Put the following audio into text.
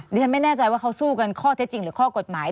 ดิฉันไม่แน่ใจว่าเขาสู้กันข้อเท็จจริงหรือข้อกฎหมาย